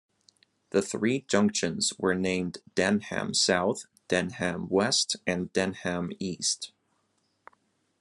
The three junctions were named Denham South, Denham West and Denham East.